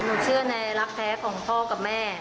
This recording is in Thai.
เชื่อในรักแท้ของพ่อกับแม่